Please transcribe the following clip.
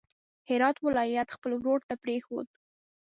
هرات ولایت خپل ورور ته پرېښود.